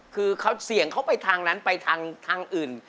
คือเขาเสี่ยงเขาไปทางนั้นไปทางอื่น